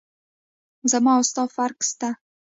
زما او ستا فرق سته.